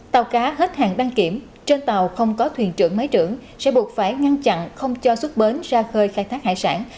tàu cá hết hàng đăng kiểm trên tàu không có thuyền trưởng máy trưởng sẽ buộc phải ngăn chặn không cho xuất bến ra khơi khai thác hải sản